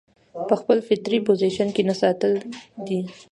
پۀ خپل فطري پوزيشن کښې نۀ ساتل دي